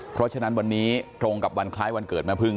เพราะฉะนั้นวันนี้ตรงกับวันคล้ายวันเกิดแม่พึ่ง